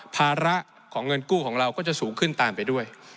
ภาระของเงินกู้ของเราก็จะสูงขึ้นตามไปด้วย